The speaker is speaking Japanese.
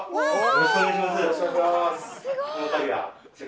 よろしくお願いします。